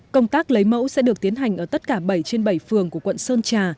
công tác lấy mẫu sẽ được tiến hành ở tất cả bảy trên bảy phường của quận sơn trà